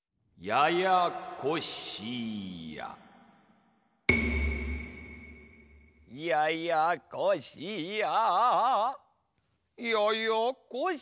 ややこしやややこしや。